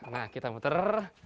nah kita muter